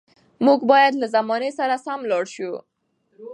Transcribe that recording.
موږ باید له زمانې سره سم لاړ شو.